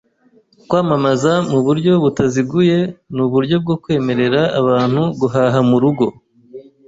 Kwamamaza mu buryo butaziguye nuburyo bwo kwemerera abantu guhaha murugo.